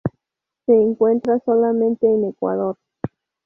Se encuentra solamente en Ecuador.